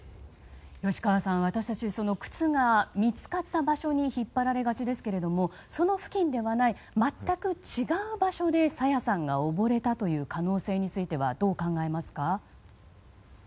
吉川さん、私たち靴が見つかった場所に引っ張られがちですがその付近ではない全く違う場所で朝芽さんが溺れたという可能性についてはどう考えますか？